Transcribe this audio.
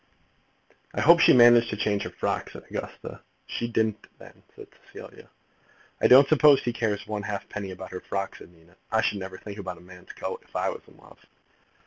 "I hope she managed to change her frock," said Augusta. "She didn't then," said Cecilia. "I don't suppose he cares one halfpenny about her frock," said Nina. "I should never think about a man's coat if I was in love."